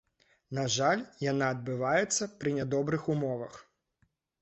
На жаль, яна адбываецца пры нядобрых умовах.